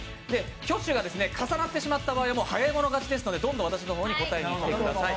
挙手が重なってしまった場合は早い者勝ちなので、どんどん私の方に出てきてください。